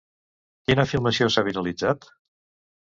Quina filmació s'ha viralitzat?